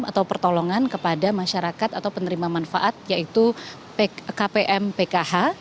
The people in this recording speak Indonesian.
atau pertolongan kepada masyarakat atau penerima manfaat yaitu kpm pkh